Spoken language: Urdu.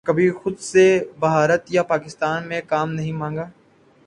کبھی خود سے بھارت یا پاکستان میں کام نہیں مانگا